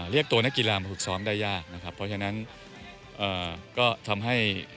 เรียกตัวนักกีฬามาฝึกซ้อมได้ยากนะครับเพราะฉะนั้นก็ทำให้